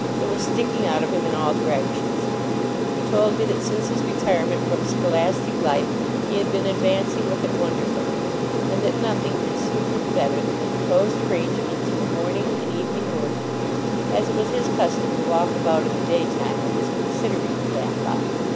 It was sticking out of him in all directions. He told me that since his retirement from scholastic life, he had been advancing with it wonderfully; and that nothing could suit him better than the proposed arrangements for morning and evening work, as it was his custom to walk about in the daytime with his considering cap on.